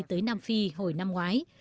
tới nam phi hồi năm ngoái